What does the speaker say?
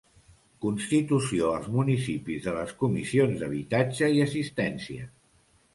Constitució als municipis de les comissions d'habitatge i assistència.